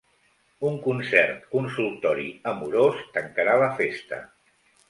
Un concert-consultori amorós tancarà la festa.